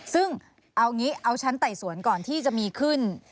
ซึ่งเอางี้เอาชั้นไต่สวนก่อนที่จะมีขึ้น